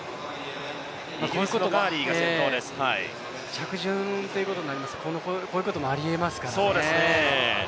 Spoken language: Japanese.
着順ということになりますと、こういうこともありえますからね。